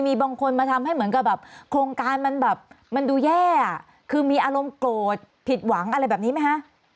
มีบางคนมาทำให้เหมือนกับแบบโครงการมันแบบมันดูแย่คือมีอารมณ์โกรธผิดหวังอะไรแบบนี้ไหมคะ